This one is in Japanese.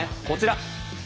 こちら。